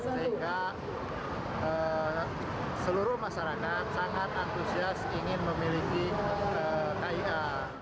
sehingga seluruh masyarakat sangat antusias ingin memiliki kia